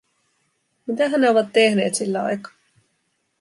Mitähän ne ovat tehneet sillä aikaa?